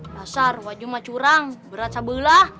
pasar wajahnya curang berat sebelah